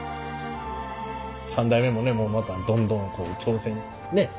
３代目もねまたどんどんこう挑戦ねっ？